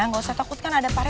nggak usah takut kan ada pak rt